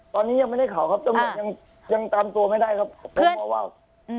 ตอนนี้ยังไม่ได้ข่าวครับยังตามตัวไม่ได้ครับ